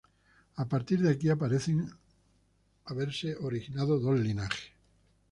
A partir de aquí parecen haberse originado dos linajes.